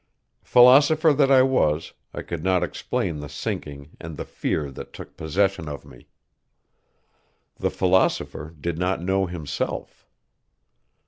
Philosopher that I was I could not explain the sinking and the fear that took possession of me. The philosopher did not know himself.